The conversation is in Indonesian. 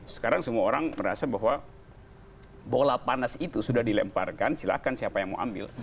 sekarang semua orang merasa bahwa bola panas itu sudah dilemparkan silahkan siapa yang mau ambil